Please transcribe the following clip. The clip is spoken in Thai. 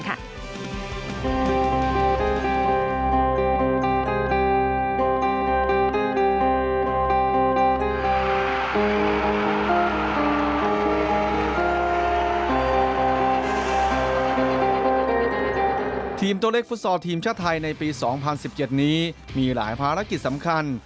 ทีมตัวเลขฟุตซอลทีมชาติไทยในปี๒๐๑๗นี้มีหลายภารกิจสำคัญ